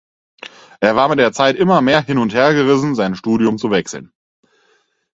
Er war mit der Zeit immer mehr hin- und hergerissen, sein Studium zu wechseln.